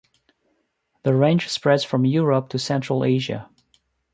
The range spreads from Europe to Central Asia.